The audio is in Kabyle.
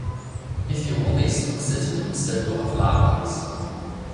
Mi tiweḍ yesteqsa-tt-id umsaltu ɣef laɛmar-is.